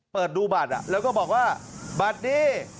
เปิดดูบัตรแล้วก็บอกว่าบัตรดี